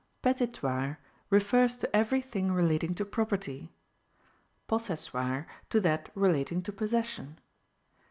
Petitoire refers to every thing relating to property; possessoire to that relating to possession.